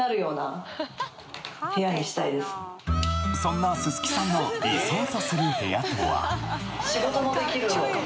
そんな薄さんの理想とする部屋とは？